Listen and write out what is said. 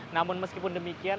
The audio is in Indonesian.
namun meskipun demikian